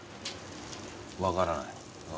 分からない？